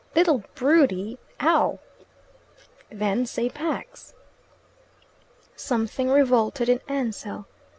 "Little brute ee ow!" "Then say Pax!" Something revolted in Ansell.